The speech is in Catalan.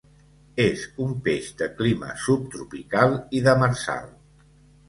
És un peix de clima subtropical i demersal.